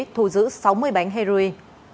thu giữ sáu mươi bánh heroin